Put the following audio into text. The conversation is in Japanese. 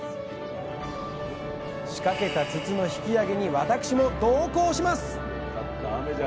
仕掛けた筒の引きあげに私も同行します。